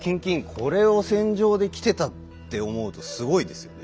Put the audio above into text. これを戦場で着てたって思うとすごいですよね。